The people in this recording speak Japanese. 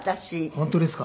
本当ですか？